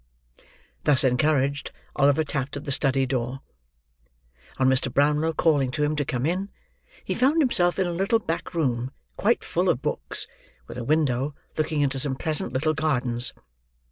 Thus encouraged, Oliver tapped at the study door. On Mr. Brownlow calling to him to come in, he found himself in a little back room, quite full of books, with a window, looking into some pleasant little gardens.